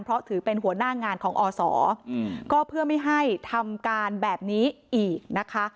เพราะถือเป็นหัวหน้างานของอศก็เพื่อไม่ให้ทำการแบบนี้อีกนะคะ